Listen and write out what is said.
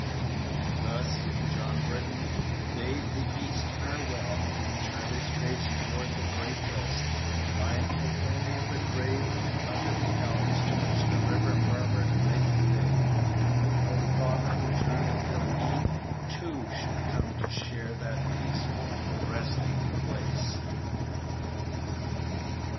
Thus John Britton bade the East farewell and turned his face towards the great West, mindful only of the grave under the elms, to which the river murmured night and day, and with no thought of return until he, too, should come to share that peaceful resting place.